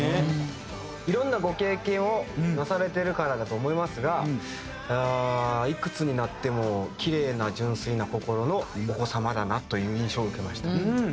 いろんなご経験をなされてるからだと思いますがいくつになってもキレイな純粋な心のお子様だなという印象を受けました。